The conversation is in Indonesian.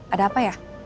ada apa ya